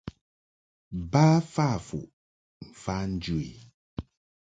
Ba fa fuʼ mfa njɨ i.